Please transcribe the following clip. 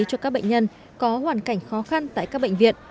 cho các bệnh nhân có hoàn cảnh khó khăn tại các bệnh viện